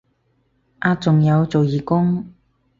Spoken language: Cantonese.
啊仲有做義工